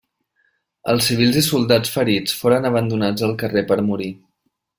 Els civils i soldats ferits foren abandonats als carrers per morir.